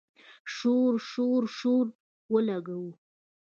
شور، شور، شور اولګوو